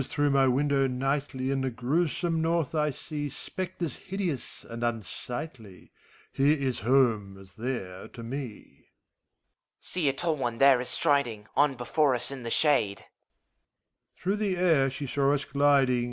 If, as through my window nightly In the grewsome North, I see Spectres hideous and unsightly, Here is home, as there, to me. HOMUNCULUS. See! a tall one there is striding On before us, in the shade. MEPHISTOPHELES. Through the air she saw us gliding.